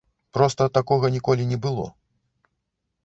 Проста такога ніколі не было.